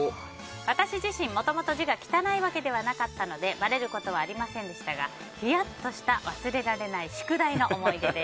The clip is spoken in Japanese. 私自身もともと字が汚いわけではなかったのでばれることはありませんでしたがヒヤッとした忘れられない宿題の思い出です。